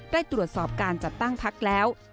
ได้ตรวจสอบการจัดตั้งพักแล้ว